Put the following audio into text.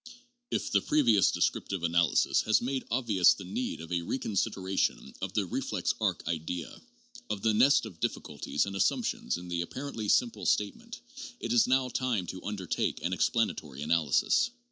If the previous descriptive analysis has made obvious the need of a reconsideration of the reflex arc idea, of the nest of difficulties and assumptions in the apparently simple statement, it is now time to undertake an explanatory analysis.